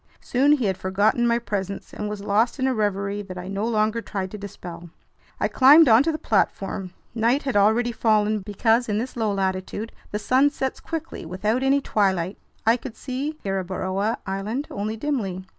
Soon he had forgotten my presence and was lost in a reverie that I no longer tried to dispel. I climbed onto the platform. Night had already fallen, because in this low latitude the sun sets quickly, without any twilight. I could see Gueboroa Island only dimly.